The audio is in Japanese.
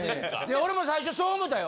俺も最初そう思ったよ。